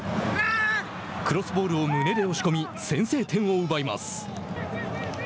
クロスボールを胸で押し込み先制点を奪います。